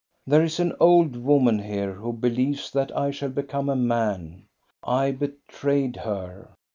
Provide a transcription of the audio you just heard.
There is an old woman here who believes that I shall become a man. I betrayed her.